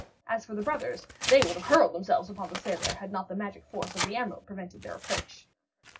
As for the brothers, they would have hurled themselves upon the sailor, had not the magic force of the emerald prevented their approach.